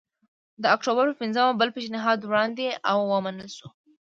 د اکتوبر په پنځمه بل پېشنهاد وړاندې او ومنل شو